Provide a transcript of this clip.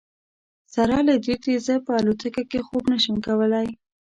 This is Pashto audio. سره له دې چې زه په الوتکه کې خوب نه شم کولی.